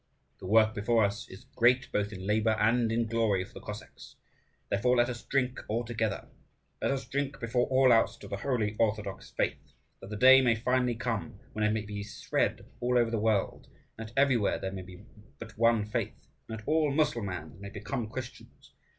The work before us is great both in labour and in glory for the Cossacks. Therefore let us drink all together, let us drink before all else to the holy orthodox faith, that the day may finally come when it may be spread over all the world, and that everywhere there may be but one faith, and that all Mussulmans may become Christians.